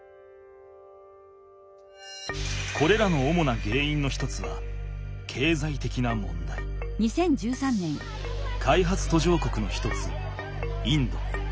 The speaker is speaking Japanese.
これらの主なげんいんの一つは開発途上国の一つインド。